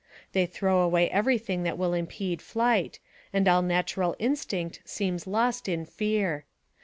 They throw away every thing that will impede flight, and all natural instinct seems lost in fear.